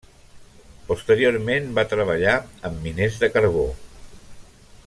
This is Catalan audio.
Posteriorment va treballar amb miners de carbó.